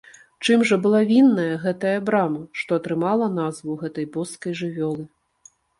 Чым жа была вінная гэтая брама, што атрымала назву гэтай боскай жывёлы?